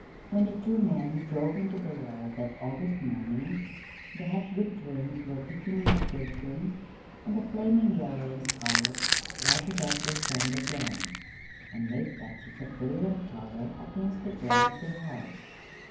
When the two men drove into the yard that August morning, the Hapgood twins were picking nasturtiums, and the flaming yellows and scarlets lighted up their somber gowns, and made patches of brilliant color against the gray of the house.